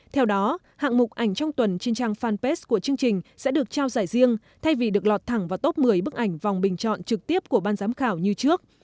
theo đó hạng mục ảnh trong tuần trên trang fanpage của chương trình sẽ được trao giải riêng thay vì được lọt thẳng vào top một mươi bức ảnh vòng bình chọn trực tiếp của ban giám khảo như trước